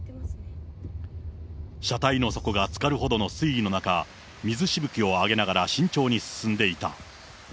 車体の底がつかるほどの水位の中、水しぶきを上げながら慎重に進んでいた。